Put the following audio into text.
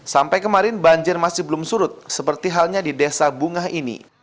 sampai kemarin banjir masih belum surut seperti halnya di desa bunga ini